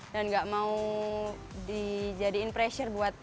dan nggak mau dijadiin pressure buat